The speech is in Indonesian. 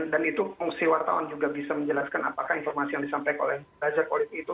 dan itu fungsi wartawan juga bisa menjelaskan apakah informasi yang disampaikan oleh buzzer politik itu